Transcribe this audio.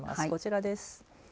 こちらです。